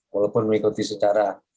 walaupun mengikuti secara